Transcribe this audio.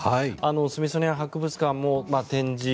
スミソニアン博物館も展示。